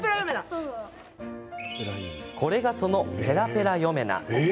これが、そのペラペラヨメナ。